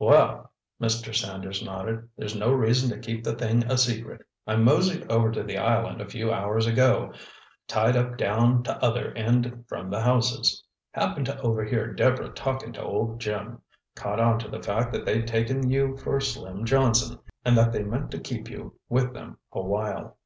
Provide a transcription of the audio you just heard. "Well," Mr. Sanders nodded, "there's no reason to keep the thing a secret. I moseyed over to the island a few hours ago. Tied up down t'other end from the houses. Happened to overhear Deborah talking to old Jim. Caught on to the fact they'd taken you for Slim Johnson, and that they meant to keep you with them a while."